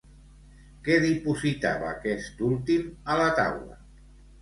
Què dipositava aquest últim a la taula?